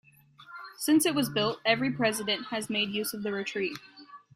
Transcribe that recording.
Since it was built, every president has made use of the retreat.